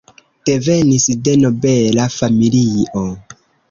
Devenis de nobela familio.